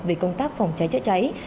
vì công tác phòng cháy chạy cháy